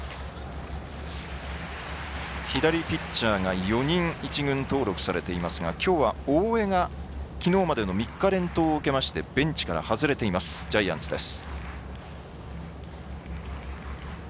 左ピッチャーが４人一軍登録されていますがきょうは大江がきのうまでの３日連投を受けましてベンチから外れていますジャイアンツです。